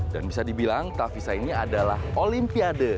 dan bisa dibilang tavisa ini adalah olimpiade